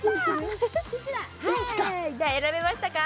じゃあ選べましたか？